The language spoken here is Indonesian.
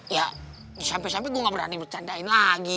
ya sampai sampai gue gak berani bercandain lagi